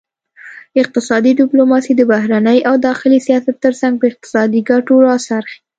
اقتصادي ډیپلوماسي د بهرني او داخلي سیاست ترڅنګ په اقتصادي ګټو راڅرخي